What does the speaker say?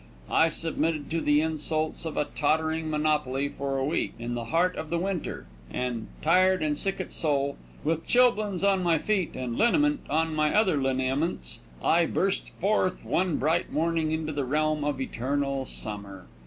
I submitted to the insults of a tottering monopoly for a week, in the heart of the winter, and, tired and sick at soul, with chilblains on my feet and liniment on my other lineaments, I burst forth one bright morning into the realm of eternal summer.